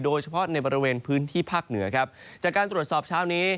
โดยเฉพาะในบริเวณพื้นที่ภาคเหนือครับจากการตรวจสอบเช้านี้